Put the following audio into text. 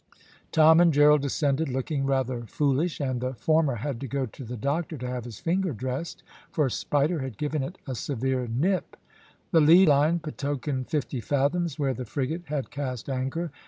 Tom and Gerald descended, looking rather foolish, and the former had to go to the doctor to have his finger dressed, for Spider had given it a severe nip. The lead line betokened fifty fathoms where the frigate had cast anchor.